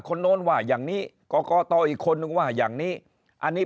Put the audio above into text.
โน้นว่าอย่างนี้กรกตอีกคนนึงว่าอย่างนี้อันนี้